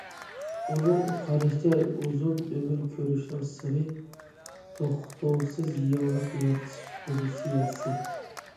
ئۇنىڭ قارىشىچە ئۇزۇن ئۆمۈر كۆرۈشنىڭ سىرى« توختاۋسىز يېڭىلىق يارىتىش پوزىتسىيەسى».